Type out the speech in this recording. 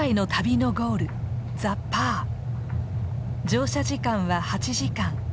乗車時間は８時間。